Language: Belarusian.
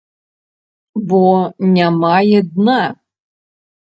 Бо не мае дна.